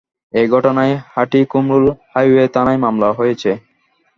এ ঘটনায় হাটিকুমরুল হাইওয়ে থানায় মামলা হয়েছে।